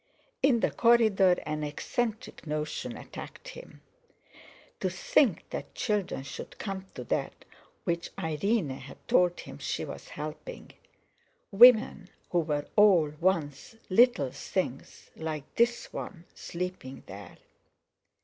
In the corridor an eccentric notion attacked him: To think that children should come to that which Irene had told him she was helping! Women who were all, once, little things like this one sleeping there!